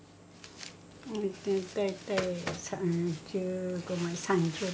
大体３５枚３０枚。